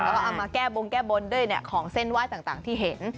เอามาแก้บงแก้บนด้วยเนี่ยของเส้นไว้ต่างที่เห็น